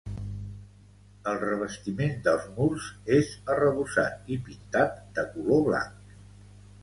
El revestiment dels murs és arrebossat i pintat de color blanc.